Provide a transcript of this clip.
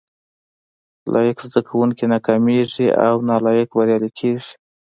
لايق زده کوونکي ناکامېږي او نالايق بريالي کېږي